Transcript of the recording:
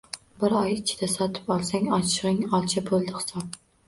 Bir oy ichida sotib olsang, oshigʻing olchi boʻldi hisob.